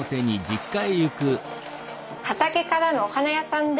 畑からのお花屋さんです。